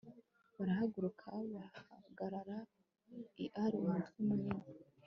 barahaguruka bahagarara i ari umutwe munini